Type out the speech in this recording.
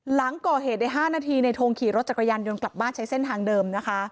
หลังก่อเหตุใน๕นาทีในทงขี่รถจักรยานยนต์กลับบ้านใช้เส้นทางเดิมนะคะ